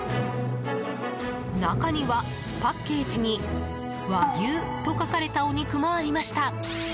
中には、パッケージに「ワギュウ」と書かれたお肉もありました。